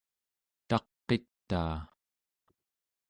taq'itaa